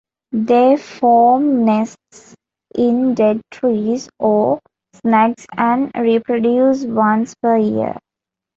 They form nests in dead trees or snags and reproduce once per year.